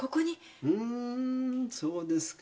うーんそうですか。